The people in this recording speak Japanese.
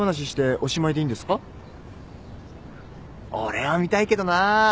俺は見たいけどなぁ。